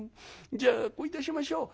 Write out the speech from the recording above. じゃあこういたしましょう。